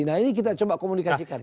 nah ini kita coba komunikasikan